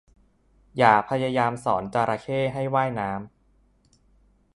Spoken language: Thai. อย่าพยายามสอนจระเข้ให้ว่ายน้ำ